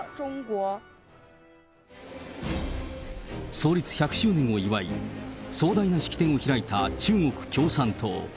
創立１００周年を祝い、壮大な式典を開いた中国共産党。